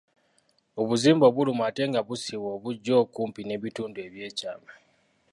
Obuzimba obuluma ate nga busiiwa obujja okumpi n’ebitundu byekyama.